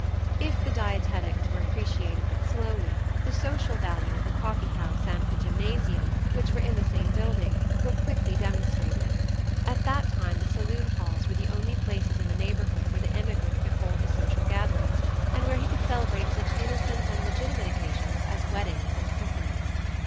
If the dietetics were appreciated but slowly, the social value of the coffee house and the gymnasium, which were in the same building, were quickly demonstrated. At that time the saloon halls were the only places in the neighborhood where the immigrant could hold his social gatherings, and where he could celebrate such innocent and legitimate occasions as weddings and christenings.